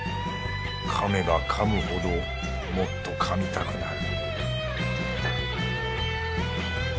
噛めば噛むほどもっと噛みたくなる